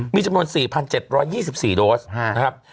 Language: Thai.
มีจำนวน๔๗๒๔โดสนะครับ